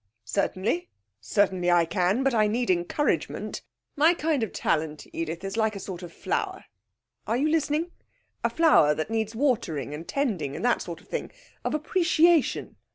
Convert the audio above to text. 'Certainly; certainly I can; but I need encouragement. My kind of talent, Edith, is like a sort of flower are you listening? a flower that needs the watering and tending, and that sort of thing, of appreciation.